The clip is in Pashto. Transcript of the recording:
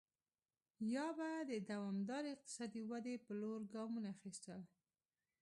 یا به د دوامدارې اقتصادي ودې په لور ګامونه اخیستل.